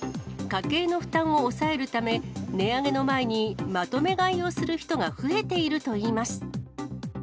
家計の負担を抑えるため、値上げの前にまとめ買いをする人が増えているといいます。